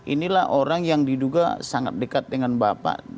inilah orang yang diduga sangat dekat dengan bapak